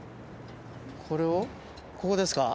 これをここですか？